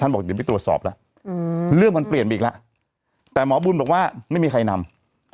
บอกเดี๋ยวไปตรวจสอบแล้วเรื่องมันเปลี่ยนไปอีกแล้วแต่หมอบุญบอกว่าไม่มีใครนำ